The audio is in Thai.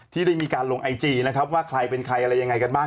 ที่ได้มีการลงไอจีนะครับว่าใครเป็นใครอะไรยังไงกันบ้าง